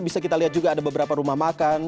bisa kita lihat juga ada beberapa rumah makan